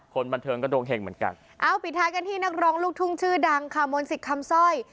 คนบันเทิงก็ดวงเห็งเหมือนกันเอาปิดท้ายกันที่นักร้องลูกทุ่งชื่อดังค่ะมนศิษย์คำสร้อย